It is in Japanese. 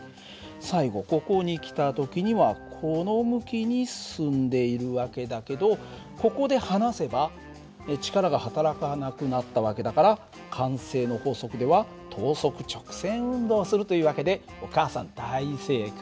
最後ここに来た時にはこの向きに進んでいる訳だけどここで放せば力がはたらかなくなった訳だから慣性の法則では等速直線運動をするという訳でお母さん大正解。